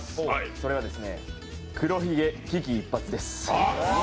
それは「黒ひげ危機一発」です。